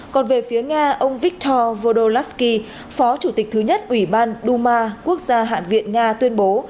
còn về phía nga ông viktor vodolovsky phó chủ tịch thứ nhất ủy ban duma quốc gia hạn viện nga tuyên bố